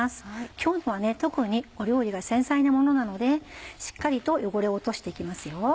今日のは特に料理が繊細なものなのでしっかりと汚れを落として行きますよ。